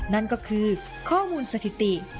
นั่นก็คือข้อมูลสถิติ